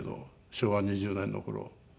昭和２０年の頃。